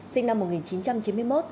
sinh năm một nghìn chín trăm chín mươi một